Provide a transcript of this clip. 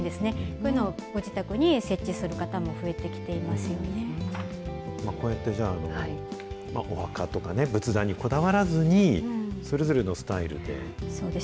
こういうのをご自宅に設置する方こうやって、お墓とか仏壇にこだわらずに、それぞれのスタイルで。